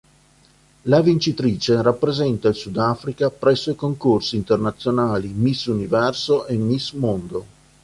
La vincitrice rappresenta il Sudafrica presso i concorsi internazionali Miss Universo e Miss Mondo.